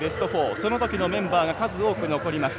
そのときのメンバーが数多く残ります。